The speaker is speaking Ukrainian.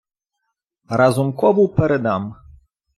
Разумкову передам.